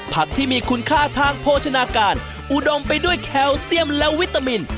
ที่มีคุณค่าทางโภชนาการอุดมไปด้วยแคลเซียมและวิตามิน